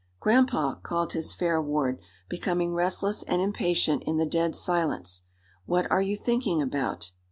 "Grandpa!" called his fair ward, becoming restless and impatient in the dead silence, "what are you thinking about?"